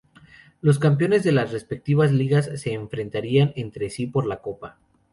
Los campeones de las respectivas ligas se enfrentarían entre sí por la copa.